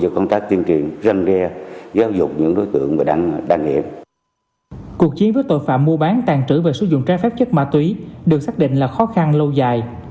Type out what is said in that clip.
cuộc chiến với tội phạm mua bán tàn trữ và sử dụng trái phép chất ma túy được xác định là khó khăn lâu dài